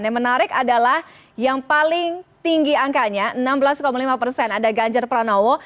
yang menarik adalah yang paling tinggi angkanya enam belas lima persen ada ganjar pranowo